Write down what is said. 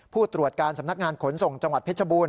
ผู้ตรวจการสำนักงานขนส่งจังหวัดเพชรบูรณ